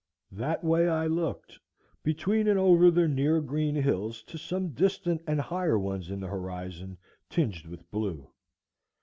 That way I looked between and over the near green hills to some distant and higher ones in the horizon, tinged with blue.